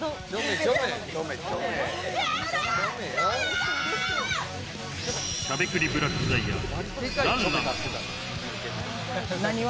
しゃべくりブラックダイヤ、爛々。